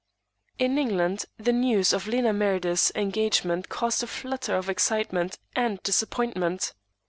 In England, the news of Lena Meredith's engagement caused a flutter of excitement and disappointment.